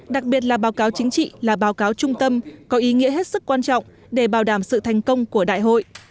đặc biệt là báo cáo chính trị là báo cáo trung tâm có ý nghĩa hết sức quan trọng để bảo đảm sự thành công của đại hội